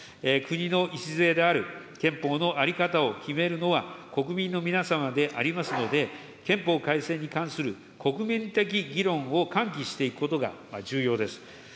国の礎である憲法の在り方を決めるのは、国民の皆様でありますので、憲法改正に関する国民的議論を喚起していくことが重要です。